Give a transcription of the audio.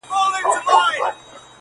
عالمه یو تر بل جارېږی؛